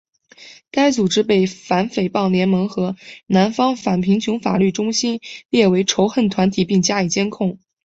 该组织被反诽谤联盟和南方反贫穷法律中心列为仇恨团体并加以监控。